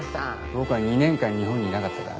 僕は２年間日本にいなかったからね。